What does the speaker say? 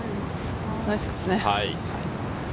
ナイスですね。